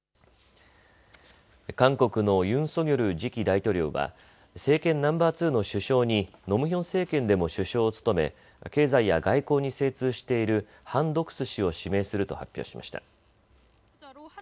韓国のユン・ソギョル次期大統領は政権ナンバー２の首相にノ・ムヒョン政権でも首相を務め経済や外交に精通しているハン・ドクス氏を指名すると発表しました。